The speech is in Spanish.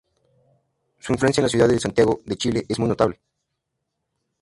Su influencia en la ciudad de Santiago de Chile es muy notable.